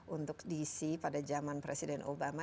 untuk dc pada zaman presiden obama